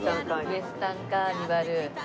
『ウエスタン・カーニバル』。